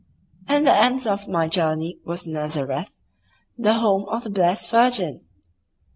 And the end of my journey was Nazareth, the home of the blessed Virgin!